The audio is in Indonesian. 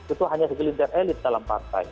itu hanya segelintir elit dalam partai